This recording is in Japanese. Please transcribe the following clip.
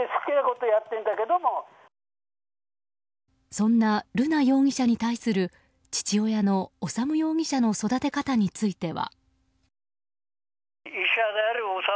そんな瑠奈容疑者に対する父親の修容疑者の育て方については。